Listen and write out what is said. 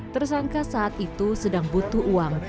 tersangka saat itu sedang butuh uang